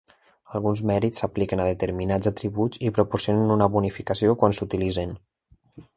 Alguns mèrits s'apliquen a determinats atributs i proporcionen una bonificació quan s'utilitzen.